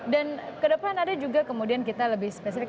dan ke depan ada juga kemudian kita lebih spesifik